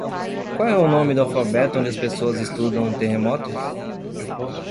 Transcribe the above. Qual é o nome do alfabeto onde as pessoas estudam terremotos?